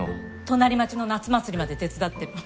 隣町の夏祭りまで手伝ってる。